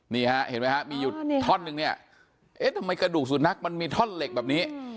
เห็นไหมฮะมีอยู่ท่อนนึงเนี่ยเอ๊ะทำไมกระดูกสุนัขมันมีท่อนเหล็กแบบนี้